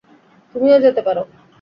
তুমিও যেতে পারো।